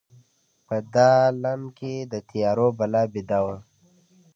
په دالان کې د تیارو بلا بیده وه